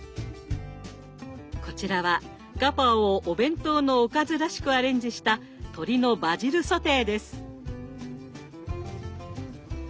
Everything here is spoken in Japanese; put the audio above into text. こちらはガパオをお弁当のおかずらしくアレンジした鶏のバジルソテーです。